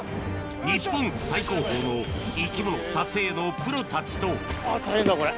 日本最高峰の生き物撮影のプロたちと大変だこれ。